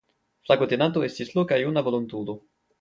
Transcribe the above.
Flagotenanto estis loka juna volontulo.